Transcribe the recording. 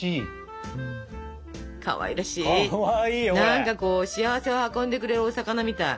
何かこう幸せを運んでくれるお魚みたい。